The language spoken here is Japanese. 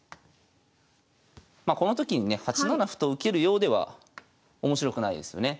まこの時にね８七歩と受けるようでは面白くないですよね。